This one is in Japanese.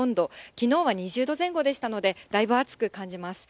きのうは２０度前後でしたので、だいぶ暑く感じます。